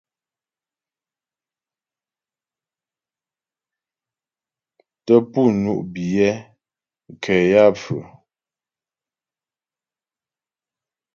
Tə́ pú ŋú' biyɛ nkɛ yaə́pfʉə́'ə.